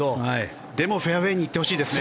でもフェアウェーに行ってほしいですね。